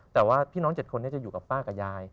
แต่ว่าพี่น้อง๗คนจะอยู่กับป้ากับยาย